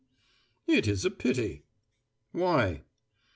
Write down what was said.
"It is a pity." "Why?"